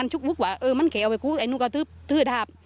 พาก็คือเขียนการการนะครับ